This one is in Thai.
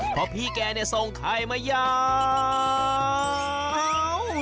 เพราะพี่แกนี่ทรงไทยมายาว